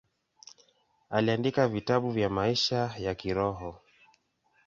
Aliandika vitabu vya maisha ya kiroho.